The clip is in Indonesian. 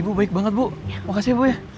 ibu baik banget bu makasih ya bu ya